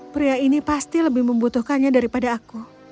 pria ini pasti lebih membutuhkannya daripada aku